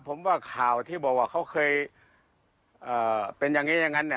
ผมว่าข่าวที่บอกว่าเขาเคยเป็นอย่างนี้อย่างนั้น